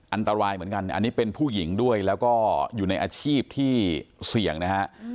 อันตรายเหมือนกันอันนี้เป็นผู้หญิงด้วยแล้วก็อยู่ในอาชีพที่เสี่ยงนะฮะ